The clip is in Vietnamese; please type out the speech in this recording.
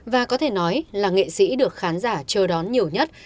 và có thể nói là nghệ sĩ được khán giả chờ đón nhiều nhất